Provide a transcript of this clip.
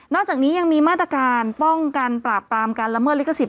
อกจากนี้ยังมีมาตรการป้องกันปราบปรามการละเมิดลิขสิท